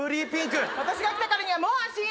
私が来たからにはもう安心よ。